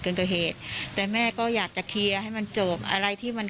กว่าเหตุแต่แม่ก็อยากจะเคลียร์ให้มันจบอะไรที่มัน